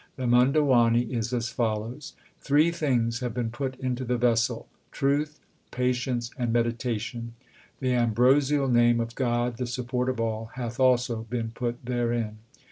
The Munda wani is as follows : Three things have been put into the vessel l truth, patience, and meditation. The ambrosial name of God the support of all hath also been put therein.